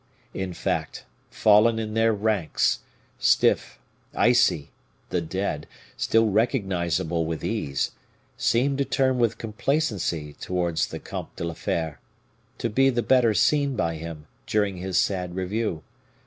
In fact, fallen in their ranks, stiff, icy, the dead, still recognizable with ease, seemed to turn with complacency towards the Comte de la Fere, to be the better seen by him, during his sad review.